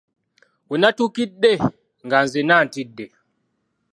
We natuukidde nga nzenna ntidde.